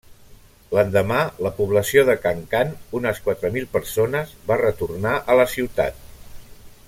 L'endemà la població de Kankan, unes quatre mil persones, va retornar a la ciutat.